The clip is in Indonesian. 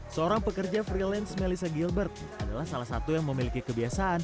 seorang pekerja freelance melissa gilbert adalah salah satu yang memiliki kebiasaan